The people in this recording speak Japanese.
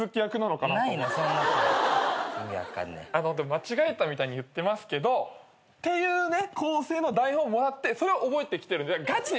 間違えたみたいに言ってますけどっていうね構成の台本もらってそれを覚えてきてるんでガチで。